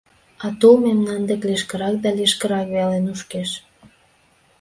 А тул мемнан дек лишкырак да лишкырак веле нушкеш.